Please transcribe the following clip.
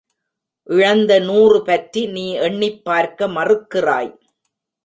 இழந்த நூறு பற்றி நீ எண்ணிப் பார்க்க மறுக்கிறாய்.